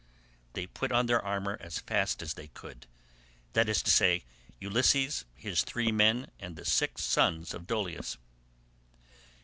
They put on their armour as fast as they could—that is to say Ulysses, his three men, and the six sons of Dolius.